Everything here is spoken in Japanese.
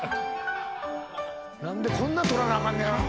何でこんな撮らなあかん。